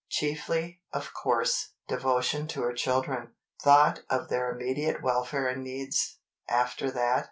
Chiefly, of course, devotion to her children—thought of their immediate welfare and needs. After that?